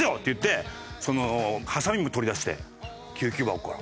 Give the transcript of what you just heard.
ハサミを取り出して救急箱から。